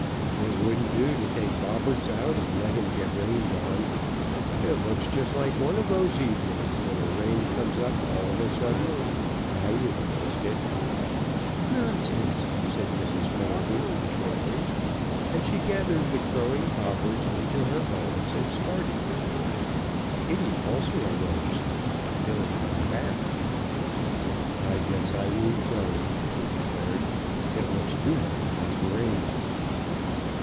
"It wouldn't do to take Bobberts out and let him get rained on. It looks just like one of those evenings when a rain comes up all of a sudden. I wouldn't risk it." "Nonsense!" said Mrs. Fenelby, shortly, and she gathered the crowing Bobberts into her arms and started. Kitty also arose, but Billy hung back. "I guess I won't go," he declared. "It looks too much like rain."